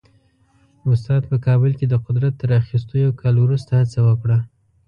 استاد په کابل کې د قدرت تر اخیستو یو کال وروسته هڅه وکړه.